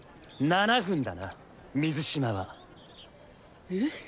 ７分だな水嶋は。え？